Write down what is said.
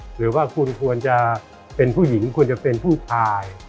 หรือว่าคุณควรจะเป็นผู้หญิงควรจะเป็นผู้ชาย